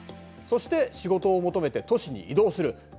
そして仕事を求めて都市に移動する。